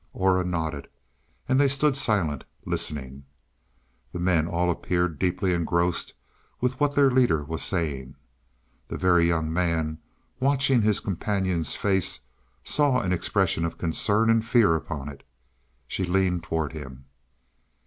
Aura nodded and they stood silent, listening. The men all appeared deeply engrossed with what their leader was saying. The Very Young Man, watching his companion's face, saw an expression of concern and fear upon it. She leaned towards him.